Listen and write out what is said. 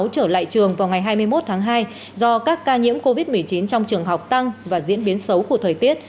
trở lại trường vào ngày hai mươi một tháng hai do các ca nhiễm covid một mươi chín trong trường học tăng và diễn biến xấu của thời tiết